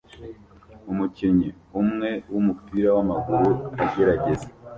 Umukinnyi umwe wumupira wamaguru agerageza